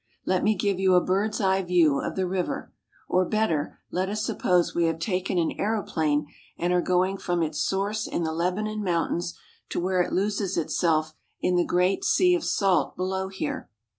Let me give you a bird's eye view of the river, or, better, let us suppose we have taken an aeroplane and are going from its source in the Lebanon Mountains to where it loses itself in the great sea of salt below here.